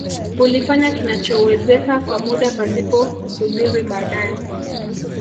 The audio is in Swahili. Ulifanya kinachowezeka kwa muda pasipo kusubiri baadae